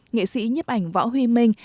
nghệ sĩ nhấp ảnh võ huy minh